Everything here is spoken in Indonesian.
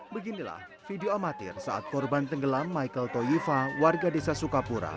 beginilah video amatir saat korban tenggelam michael toyifa warga desa sukapura